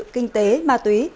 kinh tế ma túy